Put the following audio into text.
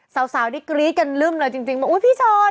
สาวนี่กรี๊ดกันลึ่มเลยจริงว่าอุ๊ยพี่ชน